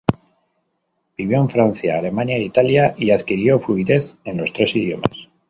Vivió en Francia, Alemania e Italia y adquirió fluidez en los tres idiomas.